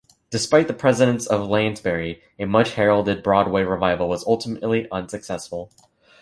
Despite the presence of Lansbury, a much-heralded Broadway revival was ultimately unsuccessful.